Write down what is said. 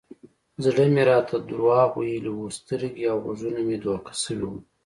زړه مې راته دروغ ويلي و سترګې او غوږونه مې دوکه سوي وو.